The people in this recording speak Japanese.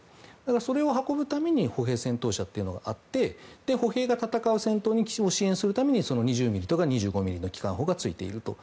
それを運ぶために歩兵戦闘車というのがあって歩兵が戦う戦闘に支援をするために２０ｍｍとか２５ｍｍの機関砲がついていると。